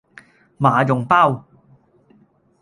麻蓉包